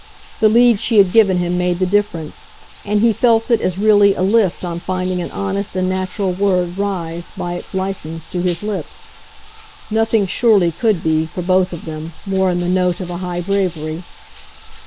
The lead she had given him made the difference, and he felt it as really a lift on finding an honest and natural word rise, by its license, to his lips. Nothing surely could be, for both of them, more in the note of a high bravery.